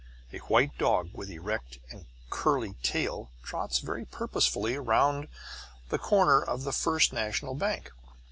A white dog with erect and curly tail trots very purposefully round the corner of the First National Bank.